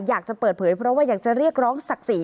อยากจะเปิดเผยเพราะว่าอยากจะเรียกร้องศักดิ์ศรี